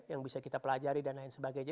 yang bisa kita pelajari dan lain sebagainya